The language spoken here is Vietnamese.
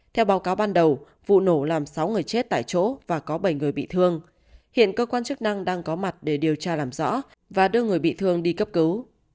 theo báo cáo ban đầu vụ nổ làm sáu người chết tại chỗ và có bảy người bị thương hiện cơ quan chức năng đang có mặt để điều tra làm rõ và đưa người bị thương đi cấp cứu